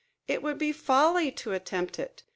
It would be folly to attempt it.